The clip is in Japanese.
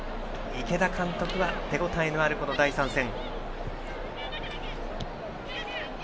池田監督は手応えのある第３戦。